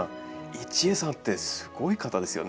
一江さんってすごい方ですよね。